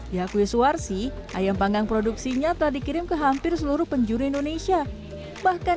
yakuis warsi ayam panggang produksinya telah dikirim ke sejajar seluruh penjuru indonesia bahkan